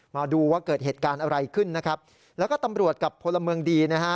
มาดูว่าเกิดเหตุการณ์อะไรขึ้นนะครับแล้วก็ตำรวจกับพลเมืองดีนะฮะ